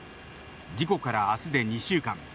事故からあすで２週間。